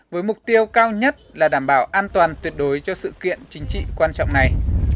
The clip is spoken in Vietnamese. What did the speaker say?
với mục tiêu cao nhất là đảm bảo an toàn tuyệt đối cho sự kiện chính trị quan trọng này